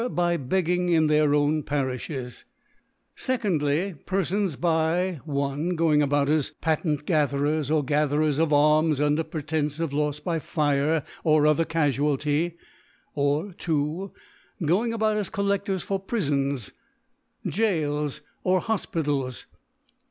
By begging in their own Pa« rifhes. Su^fkify^ Peribnsby, i. Going about as Parent Gatherers, or Gatherers of Alms under Pretence of Lois by Fire, or other Cafualty; or, 2. Gcnng about as Collec * tors for Prifons, Goals, or Hofpitals.